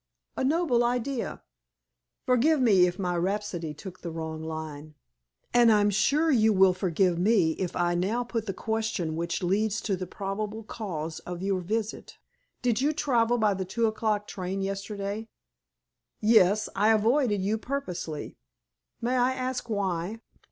"A noble ideal. Forgive me if my rhapsody took the wrong line." "And I'm sure you will forgive me if I now put the question which leads to the probable cause of your visit. Did you travel by the two o'clock train yesterday?" "Yes. I avoided you purposely." "May I ask, why?"